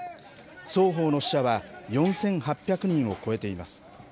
双方の死者は４８００人を超えています。